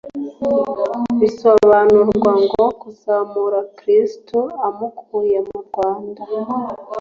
Bisobanurwa ngo kuzamura Kristo amukuye murwanda